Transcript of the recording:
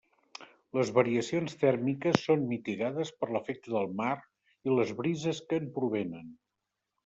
Les variacions tèrmiques són mitigades per l'efecte del mar i les brises que en provenen.